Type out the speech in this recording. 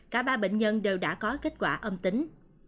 cả ba bệnh nhân đều đã có kết quả âm tính